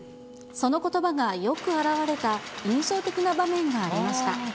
そのことばがよく表れた印象的な場面がありました。